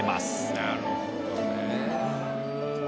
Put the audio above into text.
なるほどね。